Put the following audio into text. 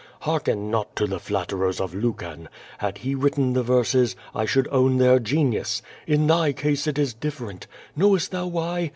Hearken not to the flatterers of Lucan. Had he written the verses, I should own their genius. In thy case it is different. Knowest thou why?